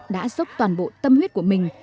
đã dốc toàn bộ tâm huyết của mình